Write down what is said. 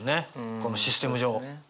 このシステム上。